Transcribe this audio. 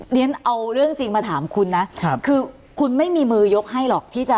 เรียนเอาเรื่องจริงมาถามคุณนะคือคุณไม่มีมือยกให้หรอกที่จะ